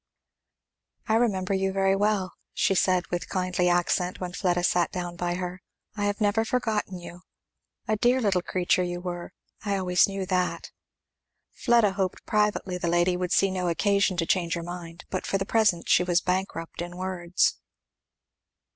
"I remember you very well," she said with kindly accent when Fleda sat down by her. "I have never forgotten you. A dear little creature you were. I always knew that." Fleda hoped privately the lady would see no occasion to change her mind; but for the present she was bankrupt in words.